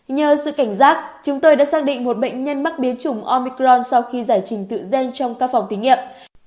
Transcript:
nhờ sự cảnh giác chúng tôi đã xác định một bệnh nhân mắc biến chủng omicron sau khi giải trình tự gen trong các phòng thí nghiệm